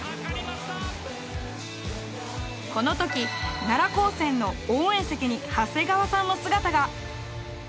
この時奈良高専の応援席に長谷川さんの姿が。